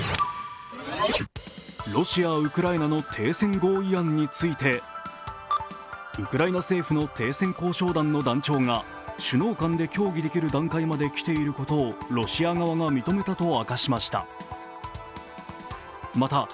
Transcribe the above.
ロシア・ウクライナの停戦合意案についてウクライナ政府の停戦交渉団の団長が首脳間で協議できる段階まで来ていることをロシア側が認めたと明かしました。